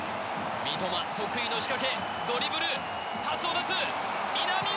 三笘得意の仕掛けドリブルパスを出す南野！